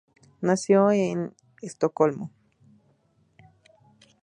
Nació en Estocolmo.